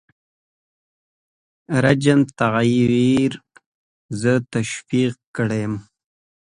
رژیم تغییر زه تشویق کړم.